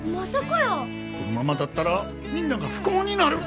このままだったらみんなが不幸になる。